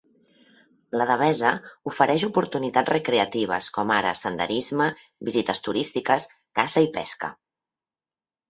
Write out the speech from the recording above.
La devesa ofereix oportunitats recreatives, com ara senderisme, visites turístiques, caça i pesca.